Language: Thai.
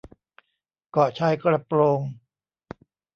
เกาะชายกระโปรง